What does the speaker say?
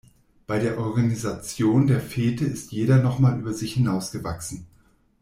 Bei der Organisation der Fete ist jeder noch mal über sich hinaus gewachsen.